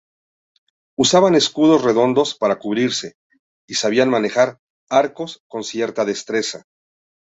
Usaban escudos redondos para cubrirse, y sabían manejar arcos con cierta destreza.